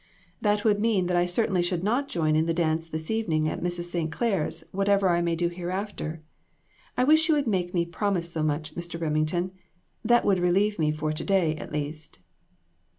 "That would mean that I certainly should not join in the dance this evening at Mrs. St. Clair's, whatever I may do hereafter. I wish you would make me promise so much, Mr. Remington ; that would relieve me for to day, at least."